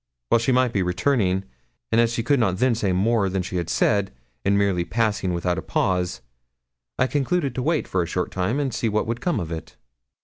Well, she might be returning; and as she could not then say more than she had said, in merely passing without a pause, I concluded to wait for a short time and see what would come of it.